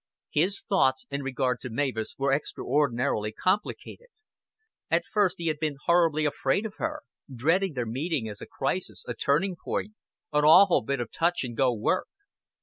His thoughts in regard to Mavis were extraordinarily complicated. At first he had been horribly afraid of her dreading their meeting as a crisis, a turning point, an awful bit of touch and go work.